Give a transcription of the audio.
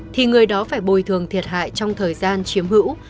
thì người đó phải bồi thường thiệt hại trong thời gian chiếm hữu